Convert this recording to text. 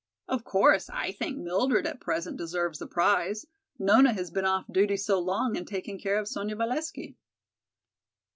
Of course, I think Mildred at present deserves the prize, Nona has been off duty so long in taking care of Sonya Valesky."